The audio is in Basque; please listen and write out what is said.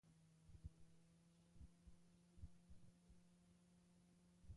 Azkenik, sen ona nagusitu eta ondo bukatu da.